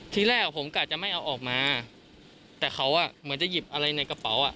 ทีแรกผมกะจะไม่เอาออกมาแต่เขาอ่ะเหมือนจะหยิบอะไรในกระเป๋าอ่ะ